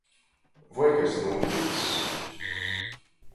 Voi kas nūtics?